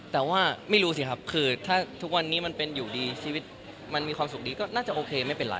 แต่ว่าไม่รู้สิครับคือถ้าทุกวันนี้มันเป็นอยู่ดีชีวิตมันมีความสุขดีก็น่าจะโอเคไม่เป็นไร